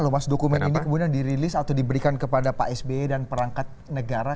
dua ribu lima loh mas dokumen ini kemudian dirilis atau diberikan kepada pak sbe dan perangkat negara